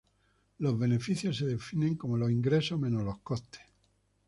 Los beneficios se definen como los ingresos menos los costes.